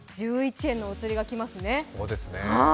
１１円のお釣りが来ますね。